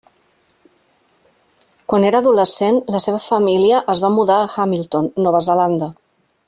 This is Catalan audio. Quan era adolescent la seva família es va mudar a Hamilton, Nova Zelanda.